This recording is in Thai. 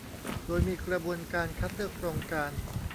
โดยมีกระบวนการคัดเลือกโครงการ